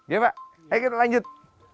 ya pak ayo kita lanjut